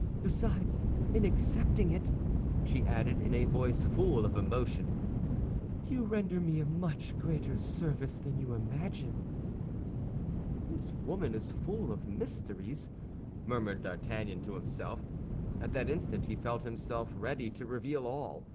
Besides, in accepting it," she added, in a voice full of emotion, "you render me a much greater service than you imagine." "This woman is full of mysteries," murmured D'Artagnan to himself. At that instant he felt himself ready to reveal all.